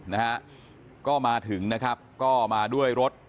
นะฮะก็มาถึงนะครับก็มาด้วยรถ